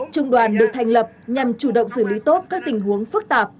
trung đoàn được thành lập nhằm chủ động xử lý tốt các tình huống phức tạp